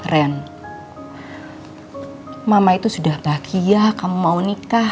ren mama itu sudah bahagia kamu mau nikah